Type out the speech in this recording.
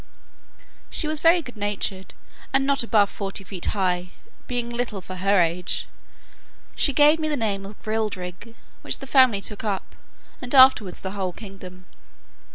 She was very good natured, and not above forty feet high, being little for her age. She gave me the name of Grildrig, which the family took up, and afterwards the whole kingdom.